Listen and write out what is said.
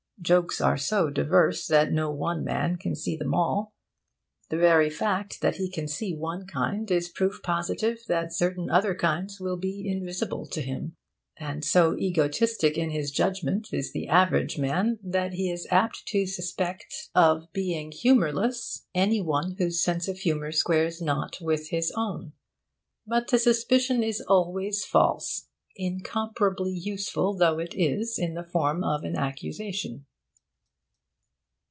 Jokes are so diverse that no one man can see them all. The very fact that he can see one kind is proof positive that certain other kinds will be invisible to him. And so egoistic in his judgment is the average man that he is apt to suspect of being humourless any one whose sense of humour squares not with his own. But the suspicion is always false, incomparably useful though it is in the form of an accusation.